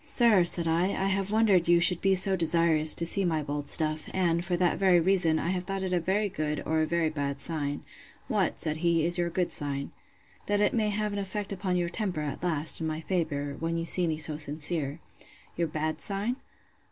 —Sir, said I, I have wondered you should be so desirous to see my bold stuff; and, for that very reason, I have thought it a very good, or a very bad sign. What, said he, is your good sign?—That it may have an effect upon your temper, at last, in my favour, when you see me so sincere. Your bad sign?